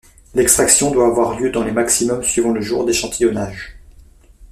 L’extraction doit avoir lieu dans les maximum suivant le jour d’échantillonnage.